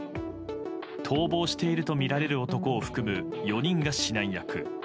逃亡しているとみられる男を含む４人が指南役。